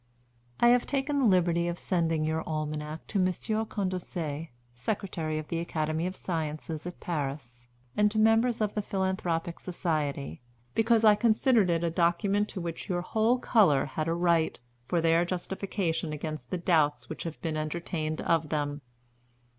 I have taken the liberty of sending your Almanac to Monsieur Condorcet, Secretary of the Academy of Sciences at Paris, and to members of the Philanthropic Society, because I considered it a document to which your whole color had a right, for their justification against the doubts which have been entertained of them.